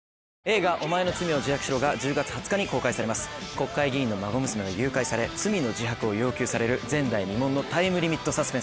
国会議員の孫娘が誘拐され罪の自白を要求される前代未聞のタイムリミットサスペンスです。